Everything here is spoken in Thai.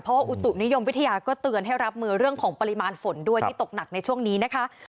เพราะว่าอุตุนิยมวิทยาก็เตือนให้รับมือเรื่องของปริมาณฝนด้วยที่ตกหนักในช่วงนี้นะคะ